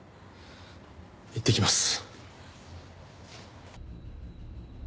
行ってきます。